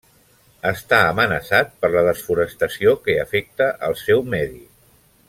Està amenaçat per la desforestació que afecta el seu medi.